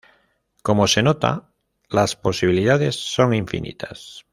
Como se nota, las posibilidades son infinitas.